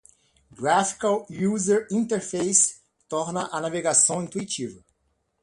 Graphical User Interface (GUI) torna a navegação intuitiva.